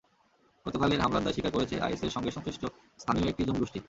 গতকালের হামলার দায় স্বীকার করেছে আইএসের সঙ্গে সংশ্লিষ্ট স্থানীয় একটি জঙ্গিগোষ্ঠী।